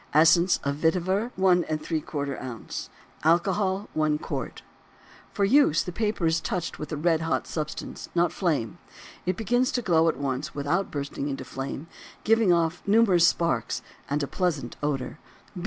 Essence of vetiver 1¾ oz. Alcohol. 1 qt. For use, the paper is touched with a red hot substance, not a flame. It begins to glow at once without bursting into flame, giving off numerous sparks and a pleasant odor.